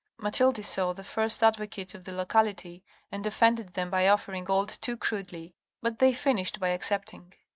Mathilde saw the first advocates of the locality, and offended them by offering gold too crudely, but they finished by accepting.